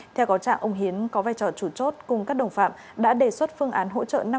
theo có trạng ông hiến có vai trò chủ chốt cùng các đồng phạm đã đề xuất phương án hỗ trợ